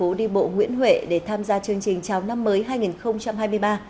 trong khi đó thành phố đi bộ nguyễn huệ để tham gia chương trình chào năm mới hai nghìn hai mươi ba